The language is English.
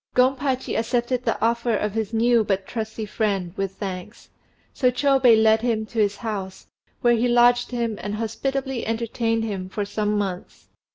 Gompachi accepted the offer of his new but trusty friend with thanks; so Chôbei led him to his house, where he lodged him and hospitably entertained him for some months.